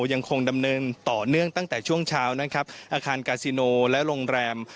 ยังคงดำเนินต่อเนื่องตั้งแต่ช่วงเช้านะครับอาคารกาซิโนและโรงแรม